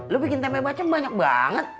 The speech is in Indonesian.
lu bikin tempe bacem banyak banget